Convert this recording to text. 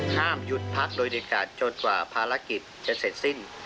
ห้ามหยุดพักโดยเด็ดขาดจนกว่าภารกิจจะเสร็จสิ้น